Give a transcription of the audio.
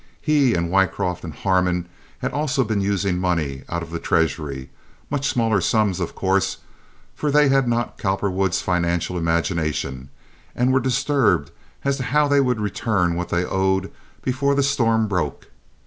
He and Wycroft and Harmon had also been using money out of the treasury—much smaller sums, of course, for they had not Cowperwood's financial imagination—and were disturbed as to how they would return what they owed before the storm broke.